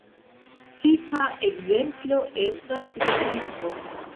Tipa ekzemplo estas lariko.